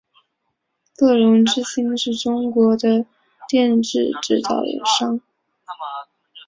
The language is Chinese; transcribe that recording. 乐融致新是中国的电视制造商。